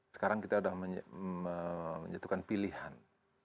sekarang kita sudah menjatuhkan pilihan